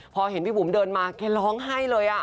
พอเห็นพี่บุ๋มเดินมาแกร้องไห้เลย